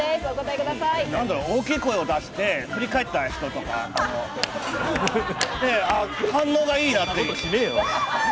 大きい声を出して振り返った人とか、反応がいいなっていう。